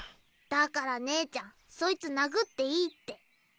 だからねえちゃんそいつ殴っていいって。